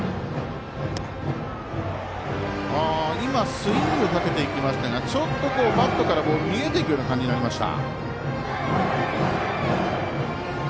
スイングをかけていきましたがちょっとバットから逃げていくような形になりました。